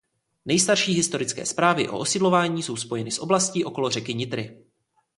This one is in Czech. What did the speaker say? Nejstarší historické zprávy o osídlování jsou spojeny s oblastí okolo řeky Nitry.